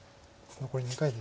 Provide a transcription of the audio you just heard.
残り２回です。